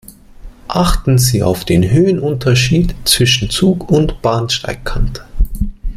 Achten Sie auf den Höhenunterschied zwischen Zug und Bahnsteigkante.